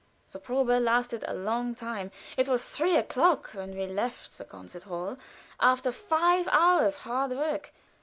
The probe lasted a long time; it was three o'clock when we left the concert hall, after five hours' hard work.